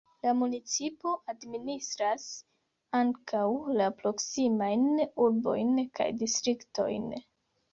La municipo administras ankaŭ la proksimajn urbojn kaj distriktojn.